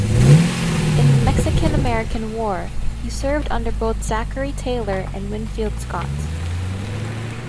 In the Mexican-American War, he served under both Zachary Taylor and Winfield Scott.